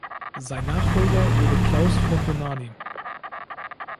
Sein Nachfolger wurde Klaus von Dohnanyi.